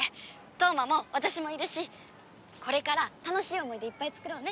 飛羽真も私もいるしこれから楽しい思い出いっぱい作ろうね！